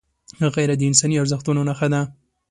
غیرت د انساني ارزښتونو نښه ده